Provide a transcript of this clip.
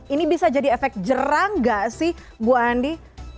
ini bisa jadi efek jerang gak sih bu andi